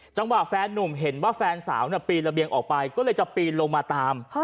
แฟนนุ่มเห็นว่าแฟนสาวปีนระเบียงออกไปก็เลยจะปีนลงมาตาม